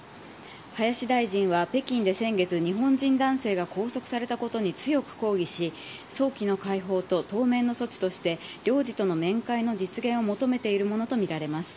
林大臣は北京で先月日本人男性が拘束されたことに強く抗議し早期の解放と当面の措置として領事との面会の実現を求めているものとみられます。